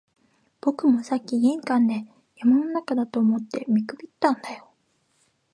僕もさっき玄関で、山の中だと思って見くびったんだよ